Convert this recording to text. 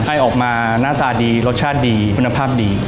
ให้ออกมาหน้าตาดีรสชาติดีคุณภาพดี